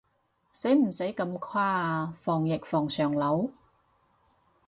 使唔使咁誇啊，防疫防上腦？